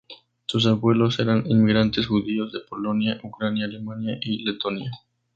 Sus abuelos eran inmigrantes judíos de Polonia, Ucrania, Alemania, y Letonia.